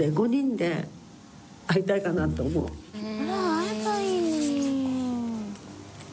会えばいいのに。